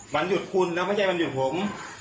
วันหยุดคุณแล้วไม่ใช่วันหยุดผม